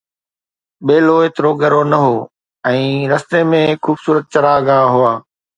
ٻيلو ايترو ڳرو نه هو ۽ رستي ۾ خوبصورت چراگاهه هئا